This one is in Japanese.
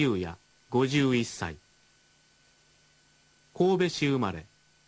神戸市生まれ。